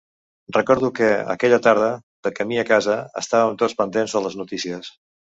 Recordo que, aquella tarda, de camí a casa, estàvem tots pendents de les notícies.